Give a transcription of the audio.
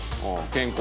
健康」